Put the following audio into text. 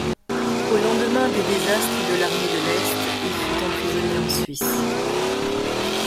Au lendemain des désastres de l'armée de l'est, il fut emprisonné en Suisse.